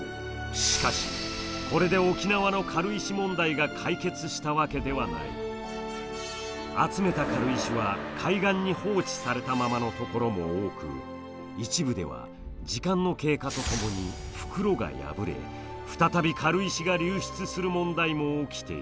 しかしこれで沖縄の集めた軽石は海岸に放置されたままのところも多く一部では時間の経過とともに袋が破れ再び軽石が流出する問題も起きている。